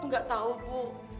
gak tahu bu